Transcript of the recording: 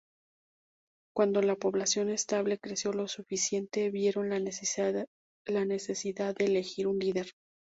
Cuando la población estable creció lo suficiente, vieron la necesidad de elegir un líder.